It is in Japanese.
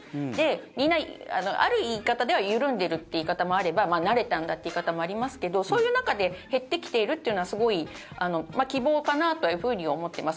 みんな、ある言い方では緩んでいるって言い方もあれば慣れたんだって言い方もありますけどそういう中で減ってきているというのはすごい希望かなというふうに思っています。